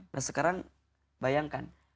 nah sekarang bayangkan